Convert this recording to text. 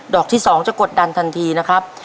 อกที่๒จะกดดันทันทีนะครับ